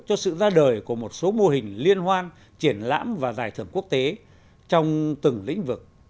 cho sự ra đời của một số mô hình liên hoan triển lãm và giải thưởng quốc tế trong từng lĩnh vực